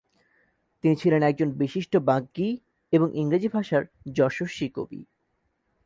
তিনি ছিলেন একজন বিশিষ্ট বাগ্মী এবং ইংরেজি ভাষার যশস্বী কবি।